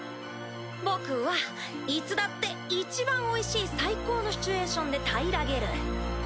僕はいつだっていちばんおいしい最高のシチュエーションで平らげる。